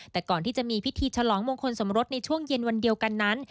แต่ก่อนที่จะมีพิธีฉลองมงคลสมรสในช่วงเย็นวันเดียวกันนั้น